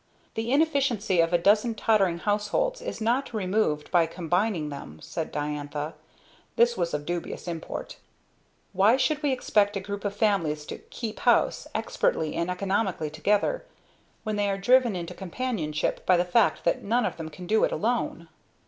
"The inefficiency of a dozen tottering households is not removed by combining them," said Diantha. This was of dubious import. "Why should we expect a group of families to "keep house" expertly and economically together, when they are driven into companionship by the fact that none of them can do it alone."